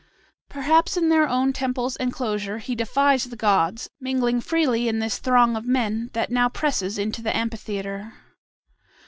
Perhaps in their own temple's enclosure he defies the gods mingling freely in this throng of men that now presses into the amphitheatre.